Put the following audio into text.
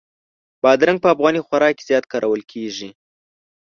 بادرنګ په افغاني خوراک کې زیات کارول کېږي.